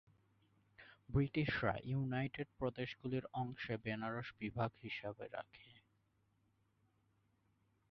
ব্রিটিশরা ইউনাইটেড প্রদেশগুলির অংশে বেনারস বিভাগ হিসাবে রাখে।